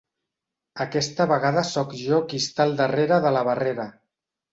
Aquesta vegada sóc jo qui està al darrere de la barrera.